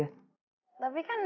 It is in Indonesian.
tapi kan merel temen kita juga